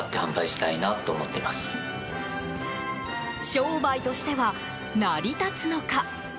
商売としては成り立つのか？